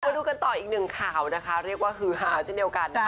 ดูกันต่ออีกหนึ่งข่าวนะคะเรียกว่าฮือฮาเช่นเดียวกันนะคะ